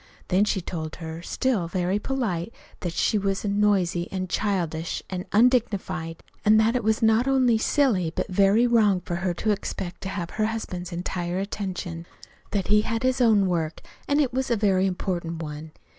Then she told her, still very polite, that she was noisy an' childish, an' undignified, an' that it was not only silly, but very wrong for her to expect to have her husband's entire attention; that he had his own work, an' it was a very important one.